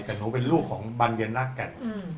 แต่หนูเป็นลูกของบ้านเบียนรักกัน